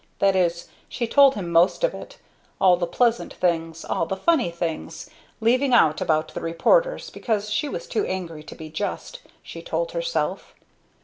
That is, she told him most of it, all the pleasant things, all the funny things; leaving out about the reporters, because she was too angry to be just, she told herself.